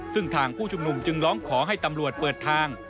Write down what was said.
ซึ่งทางผู้ชุมนุมจึงร้องขอให้ตำรวจเปิดทาง